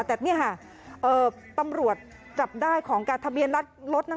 แต่นี่ค่ะตำรวจจับได้ของการทะเบียนรัฐรถนั้น